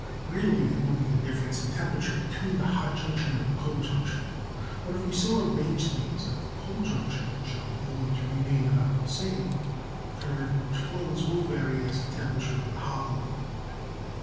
Really it will be the difference in temperature between the hot junction and the cold junction, but if we so arrange things that the cold junction shall always remain about the same, the current which flows will vary as the temperature of the hot one.